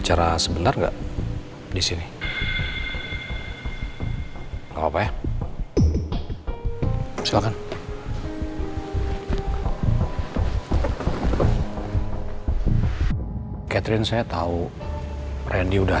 perasaan tadi gak makan apa apa deh